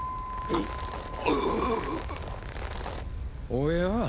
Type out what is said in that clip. おや？